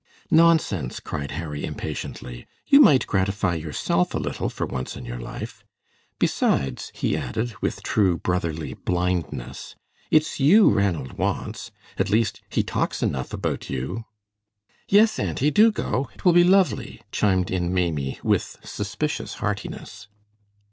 "Nonsense!" cried Harry, impatiently. "You might gratify yourself a little for once in your life. Besides," he added, with true brotherly blindness, "it's you Ranald wants. At least he talks enough about you." "Yes, auntie, do go! It will be lovely," chimed in Maimie, with suspicious heartiness.